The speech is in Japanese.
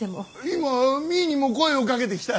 今実衣にも声をかけてきた。